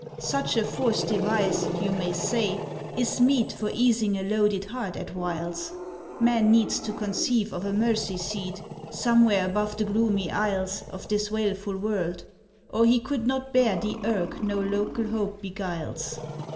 "Such a forced device," you may say, "is meet For easing a loaded heart at whiles: Man needs to conceive of a mercy seat Somewhere above the gloomy aisles Of this wailful world, or he could not bear The irk no local hope beguiles."